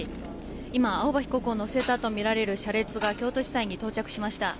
今、青葉被告を乗せたとみられる車列が京都地裁に到着しました。